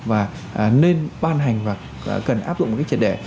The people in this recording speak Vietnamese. và nên ban hành và cần áp dụng những trật đề